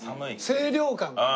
清涼感が。